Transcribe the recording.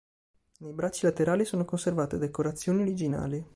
Nei bracci laterali sono conservate decorazioni originali.